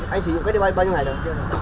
anh sử dụng cái đấy bao nhiêu ngày rồi